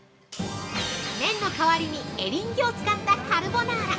◆麺の代わりにエリンギを使ったカルボナーラ！